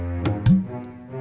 jadi selain positioning